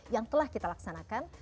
yang telah kita laksanakan